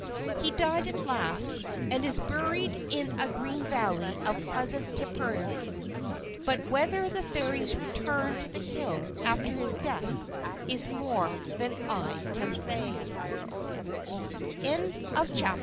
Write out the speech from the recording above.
He died at last; and is buried in a green valley of pleasant Tipperary. But whether the Fairies returned to the hill after his death is more than I can say.